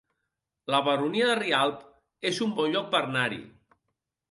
La Baronia de Rialb es un bon lloc per anar-hi